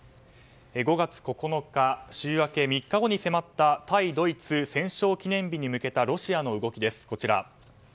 ５月９日週明け３日後に迫った対ドイツ戦勝記念日に向けたロシアの動きです。